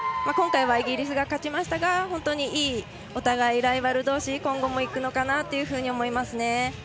今回はイギリスが勝ちましたが本当にいいお互い、ライバル同士今後も行くのかなと思います。